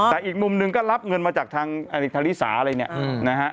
แต่อีกมุมหนึ่งก็รับเงินมาจากทางอดีตธริสาอะไรเนี่ยนะฮะ